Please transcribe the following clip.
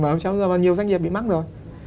mà không chẳng ra bao nhiêu doanh nghiệp bị mắc rồi